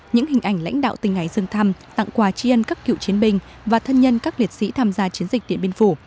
những hình ảnh lãnh đạo tỉnh hải dương thăm tặng quà tri ân các cựu chiến binh và thân nhân các liệt sĩ tham gia chiến dịch điện biên phủ